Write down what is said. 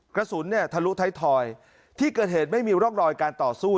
กระสุนเนี่ยทะลุท้ายทอยที่เกิดเหตุไม่มีร่องรอยการต่อสู้